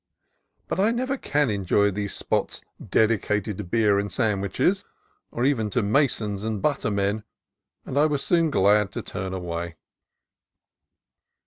But I can never enjoy these spots "dedicated" to beer and sandwiches, or even to Masons and butter men, and I was soon glad to turn away.